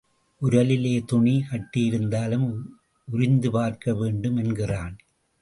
உரலிலே துணி கட்டியிருந்தாலும் உரிந்து பார்க்கவேண்டும் என்கிறான்.